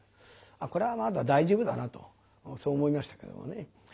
これはまだ大丈夫だなとそう思いましたけどもね。